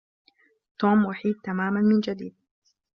توم وحيد تماما من جديد.